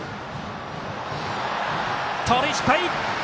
盗塁、失敗。